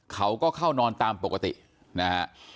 เขาก็เข้านอนตามปกตินะฮะ